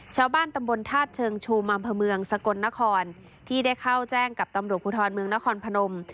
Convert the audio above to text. ชาวบ้านตำบลธาตุเชิงชูมาอำเภอเมืองสกลนครที่ได้เข้าแจ้งกับตำรวจภูทรเมืองนครพนม